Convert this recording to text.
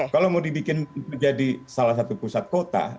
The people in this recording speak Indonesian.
kalau mau dibikin menjadi salah satu pusat kota